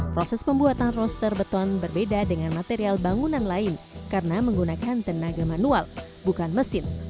proses pembuatan roster beton berbeda dengan material bangunan lain karena menggunakan tenaga manual bukan mesin